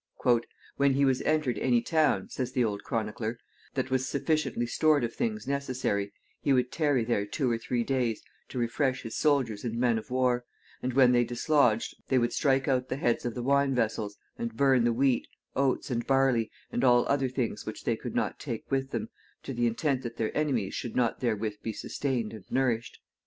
"When he was entered anie towne," says the old chronicler, "that was sufficientlie stored of things necessarie, he would tarrie there two or three daies to refresh his soldiers and men of warre, and when they dislodged they would strike out the heads of the wine vessels, and burne the wheat, oats, and barlie, and all other things which they could not take with them, to the intent that their enimies should not therewith be sustained and nourished."